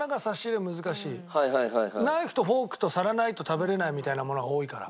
ナイフとフォークと皿ないと食べられないみたいなものが多いから。